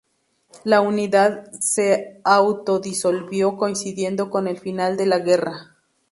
La unidad se autodisolvió coincidiendo con el final de la guerra.